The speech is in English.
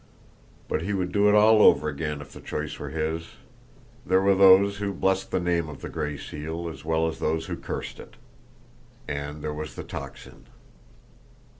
But he would do it all over again if the choice were his. There were those who blessed the name of the Gray Seal, as well as those who cursed it. And there was the Tocsin!